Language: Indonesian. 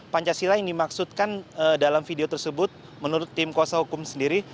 pancasila yang dimaksudkan dalam video tersebut menurut tim kuasa hukum sendiri